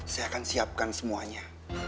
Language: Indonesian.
saya akan siapkan semuanya